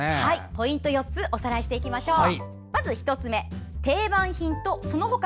ポイント４つをおさらいしましょう。